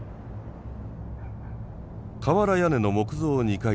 瓦屋根の木造２階建て。